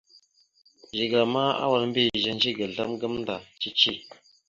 Zigəla ma awal mbiyez ehədze ga azlam gamənda cici.